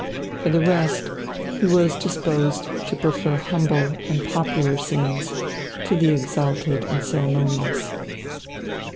For the rest, he was disposed to prefer humble and popular scenes to the exalted and ceremonious.